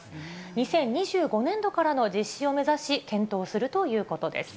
２０２５年度からの実施を目指し、検討するということです。